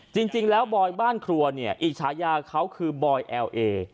จริงแล้วบอยบ้านครัวเนี่ยอีกฉายาเขาคือบอยแอลเอ